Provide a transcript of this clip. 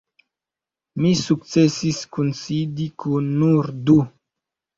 Mi sukcesis kunsidi kun nur du.